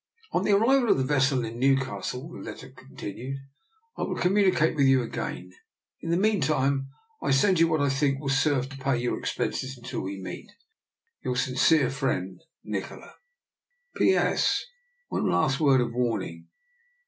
" On the arrival of the vessel in New castle " (the letter continued), " I will com municate with you again. In the meantime I send you what I think will serve to pay your expenses until we meet. Believe me, " Your sincere friend, " Nikola. " P. S. — One last word of warning.